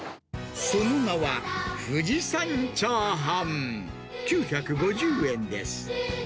その名は、富士山チャーハン９５０円です。